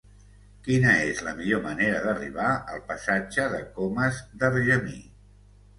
Quina és la millor manera d'arribar al passatge de Comas d'Argemí?